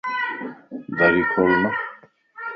دري کول تا